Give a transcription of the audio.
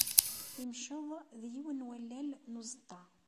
Imceḍ d yiwen n wallal n uẓeṭṭa.